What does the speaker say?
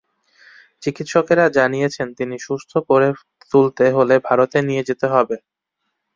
চিকিৎসকেরা জানিয়েছেন, তাঁকে সুস্থ করে তুলতে হলে ভারতে নিয়ে যেতে হবে।